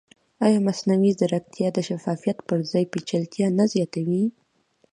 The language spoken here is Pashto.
ایا مصنوعي ځیرکتیا د شفافیت پر ځای پېچلتیا نه زیاتوي؟